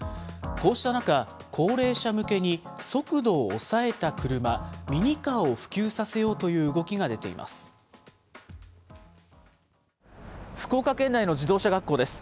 こうした中、高齢者向けに速度を抑えた車、ミニカーを普及させようという動きが出ています。